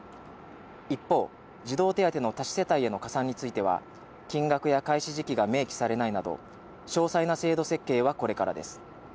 一方、児童手当の多子世帯への加算については、金額や開始時期が明記されないなど、詳細な制度設計はこれからです。